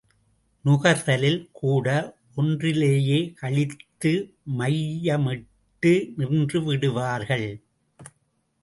நுகர்தலில் கூட ஒன்றிலேயே கழித்து மையமிட்டு நின்றுவிடுவார்கள் பலர்.